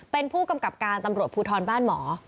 เป็นผู้กำกับการตำรวจภูทรบ้านหมอ